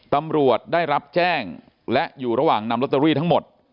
ตำรวจได้รับแจ้งและอยู่ระหว่างนำลอตเตอรี่ทั้งหมด